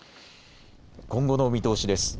今後の見通しです。